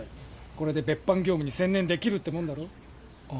これで別班業務に専念できるってもんだろあ